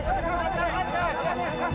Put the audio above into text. keluarga yang tersebut